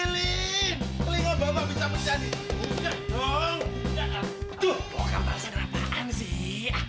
lo kan paksa kenapaan sih